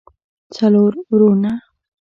څلور وروڼه